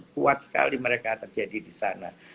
kuat sekali mereka terjadi di sana